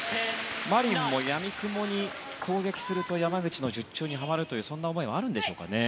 マリンもやみくもに攻撃すると山口の術中にはまるという思いもあるんでしょうかね。